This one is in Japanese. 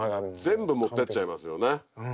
全部持ってっちゃいますよね。